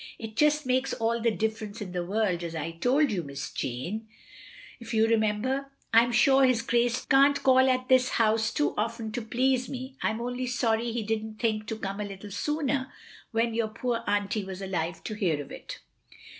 "It just makes all the difference in the world, as I told you. Miss Jane, if you remember. I 'm sure his Grace can't call at this house too often to please me. I 'm only sorry he didn't think to come a little sooner, when your poor auntie was alive to hear of it.